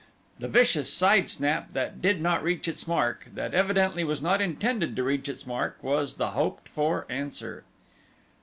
The vicious side snap that did not reach its mark that evidently was not intended to reach its mark was the hoped for answer.